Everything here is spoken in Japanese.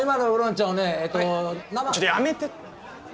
ちょっとやめて！